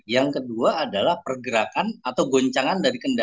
yang kedua adalah pergerakan atau goncangan daripada